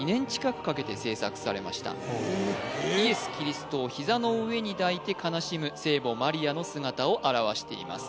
イエス・キリストをひざの上に抱いて悲しむ聖母マリアの姿を表しています